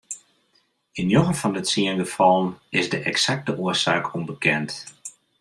Yn njoggen fan de tsien gefallen is de eksakte oarsaak ûnbekend.